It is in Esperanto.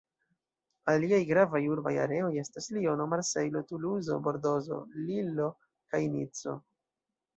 Aliaj gravaj urbaj areoj estas Liono, Marsejlo, Tuluzo, Bordozo, Lillo kaj Nico.